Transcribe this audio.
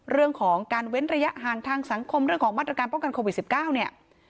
เรื่องของการเว้นระยะห่างทางสังคมเรื่องของมาตรการป้องกันโควิด๑๙เนี่ย